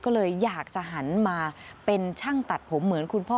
ก็เลยอยากจะหันมาเป็นช่างตัดผมเหมือนคุณพ่อ